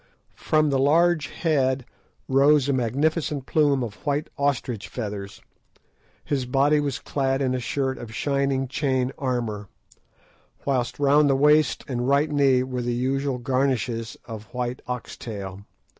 From the large head rose a magnificent plume of white ostrich feathers, his body was clad in a shirt of shining chain armour, whilst round the waist and right knee were the usual garnishes of white ox tail.